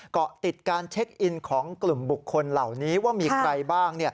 เกาะติดการเช็คอินของกลุ่มบุคคลเหล่านี้ว่ามีใครบ้าง